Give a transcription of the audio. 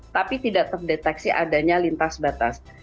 tapi tidak terdeteksi adanya lintas batas